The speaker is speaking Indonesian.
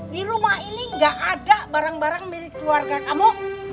di rumah ini gak ada barang barang milik keluarga kamu